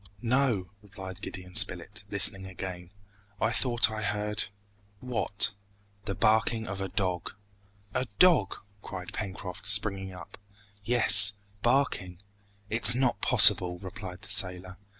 "No," replied Gideon Spilett, listening again, "I thought I heard " "What?" "The barking of a dog!" "A dog!" cried Pencroft, springing up. "Yes barking " "It's not possible!" replied the sailor.